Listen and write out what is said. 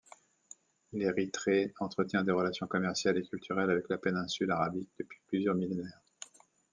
L'Érythrée entretient des relations commerciales et culturelles avec la péninsule Arabique depuis plusieurs millénaires.